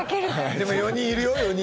でも４人いるよ４人。